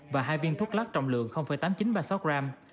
và hai viên thuốc lắc trọng lượng tám nghìn chín trăm ba mươi sáu gram